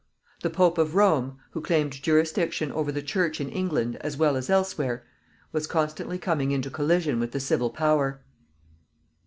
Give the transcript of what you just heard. The Pope of Rome, who claimed jurisdiction over the Church in England as well as elsewhere, was constantly coming into collision with the civil power.